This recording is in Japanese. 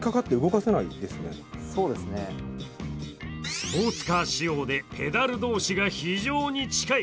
スポーツカー仕様でペダル同士が非常に近い。